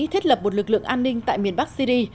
thiết lập một lực lượng an ninh tại syri